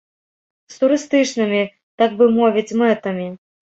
З турыстычнымі, так бы мовіць, мэтамі.